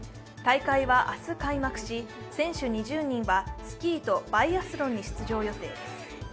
大会は明日開幕し、選手２０人はスキーとバイアスロンに出場予定です。